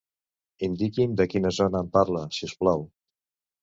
Indiqui'm de quina zona em parla, si us plau.